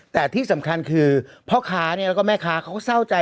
แต่ที่สำคัญคือพ่อค้าแล้วก็แม่ค้าเขาก็เศร้าใจ